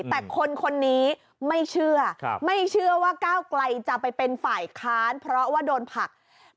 แต่คนคนนี้ไม่เชื่อไม่เชื่อว่าก้าวไกลจะไปเป็นฝ่ายค้านเพราะว่าโดนผลัก